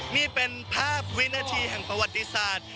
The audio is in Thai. นี่เป็นภาพวินาทีแห่งประวัติศาสตร์